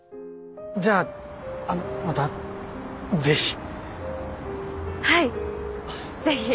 じゃああのまたぜひ